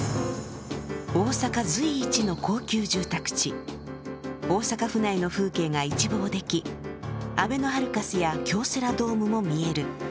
大阪随一の高級住宅地、大阪府内の風景が一望できあべのハルカスや京セラドームも見える。